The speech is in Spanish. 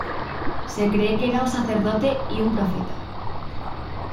Se cree que era un sacerdote y un profeta.